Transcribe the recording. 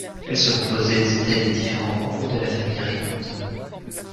Elle se composait des hôtels des différents membres de la famille régnante.